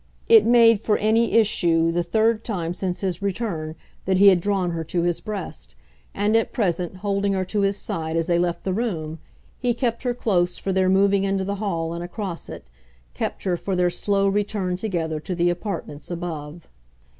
It made, for any issue, the third time since his return that he had drawn her to his breast; and at present, holding her to his side as they left the room, he kept her close for their moving into the hall and across it, kept her for their slow return together to the apartments above.